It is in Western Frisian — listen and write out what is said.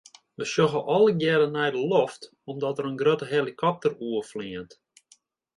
We sjogge allegearre nei de loft omdat der in grutte helikopter oerfleant.